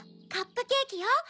カップケーキよ。